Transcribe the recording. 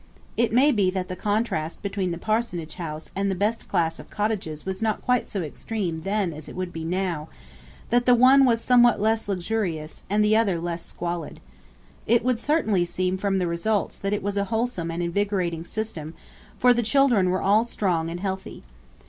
It may be that the contrast between the parsonage house and the best class of cottages was not quite so extreme then as it would be now, that the one was somewhat less luxurious, and the other less squalid. It would certainly seem from the results that it was a wholesome and invigorating system, for the children were all strong and healthy.